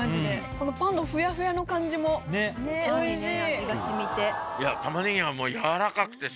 このパンのフヤフヤの感じもおいしい。